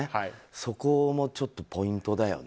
そこもちょっとポイントだよね。